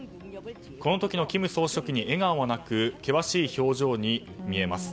この時の金総書記に笑顔はなく険しい表情に見えます。